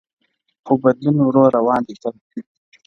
خو بدلون ورو روان دی تل,